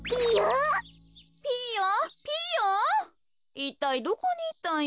いったいどこにいったんや。